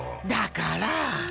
だからぁ